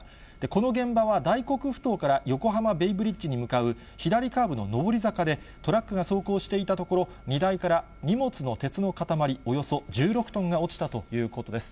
この現場は大黒ふ頭から横浜ベイブリッジに向かう左カーブの上り坂で、トラックが走行していたところ、荷台から荷物の鉄の塊、およそ１６トンが落ちたということです。